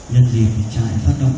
nhân dịp trải phát động